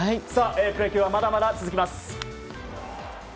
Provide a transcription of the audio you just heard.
プロ野球はまだまだ続きます。